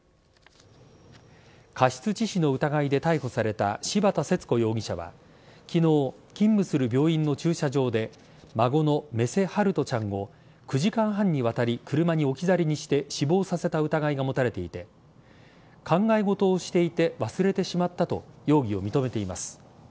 過失致死の疑いで逮捕された柴田節子容疑者は昨日、勤務する病院の駐車場で孫の目瀬陽翔ちゃんを９時間半にわたり車に置き去りにして死亡させた疑いが持たれていて考え事をしていて忘れてしまったと容疑を認めています。